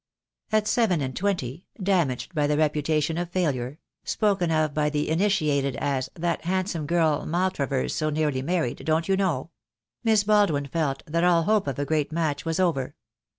At seven and twenty, damaged by the reputation of failure — spoken of by the initiated as "that handsome girl Maltravers so nearly married, don't you know?" — Miss Baldwin felt that all hope of a great match was over.